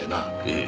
ええ。